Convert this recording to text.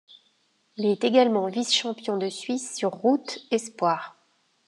Il est également vice-champion de Suisse sur route espoirs.